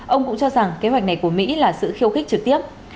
ông cũng cho rằng kế hoạch này của mỹ là sự khiêu khích trực tiếp